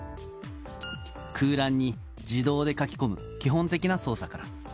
空欄に自動で書き込む基本的な操作から。